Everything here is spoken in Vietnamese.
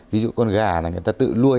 ví dụ con gà là người ta tự luôi